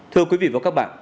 thưa quý vị và các bạn